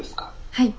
はい。